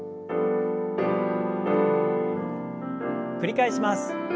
繰り返します。